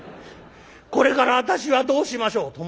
これから私はどうしましょう？」。